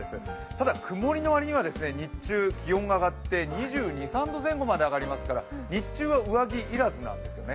ただ、曇りの割には日中気温が上がって、２２２３度近くまであがりそうですから、日中は上着要らずなんですよね、